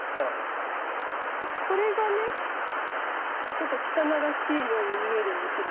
ちょっと汚らしいように見えるんですけど。